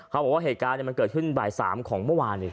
เขาบอกว่าเหตุการณ์มันเกิดขึ้นบ่าย๓ของเมื่อวานเอง